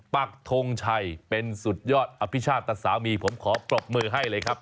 ปักทงชัยเป็นสุดยอดอภิชาติแต่สามีผมขอปรบมือให้เลยครับ